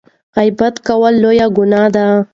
غیبت کول لویه ګناه ده.